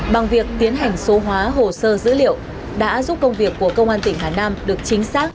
bằng việc tiến hành số hóa hồ sơ dữ liệu đã giúp công việc của công an tỉnh hà nam được chính xác